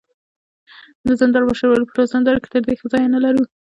د زندان مشر وويل: په ټول زندان کې تر دې ښه ځای نه لرو.